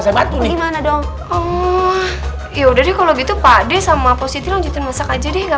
saya bantu dibana dong oh ya udah deh kalau gitu pak deh sama posisi lanjutin masak aja deh enggak